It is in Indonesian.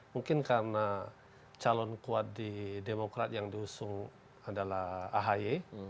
mungkin karena calon kuat di demokrat yang diusung adalah ahy